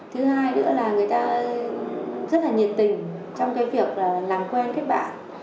thứ hai nữa là người ta rất nhiệt tình trong việc làm quen các bạn